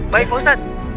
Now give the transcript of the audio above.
baik pak ustadz